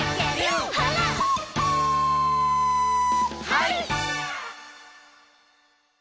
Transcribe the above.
「はい！」